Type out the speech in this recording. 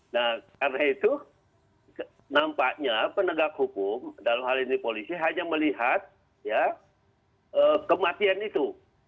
nah karena itu nampaknya penegak hukum dalam hal ini polisi hanya melihat kematian itu